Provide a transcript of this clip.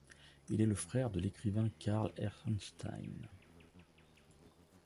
Il est le frère de l'écrivain Carl Ehrenstein.